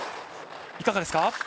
いかがですか？